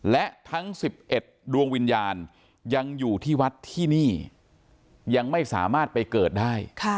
และทั้ง๑๑ดวงวิญญาณยังอยู่ที่วัดที่นี่ยังไม่สามารถไปเกิดได้